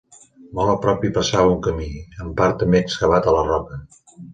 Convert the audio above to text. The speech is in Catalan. Molt a prop hi passava un camí, en part també excavat a la roca.